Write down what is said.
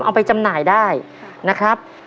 เอาไปจำหน่ายได้นะครับ